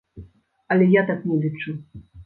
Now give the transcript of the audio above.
Але я так не лічу.